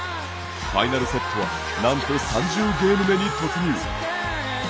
ファイナルセットはなんと３０ゲーム目に突入。